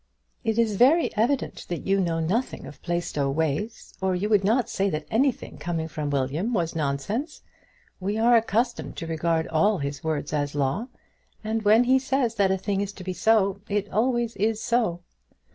"It is very evident that you know nothing of Plaistow ways, or you would not say that anything coming from William was nonsense. We are accustomed to regard all his words as law, and when he says that a thing is to be so, it always is so."